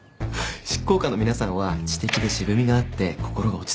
執行官の皆さんは知的で渋みがあって心が落ち着きます。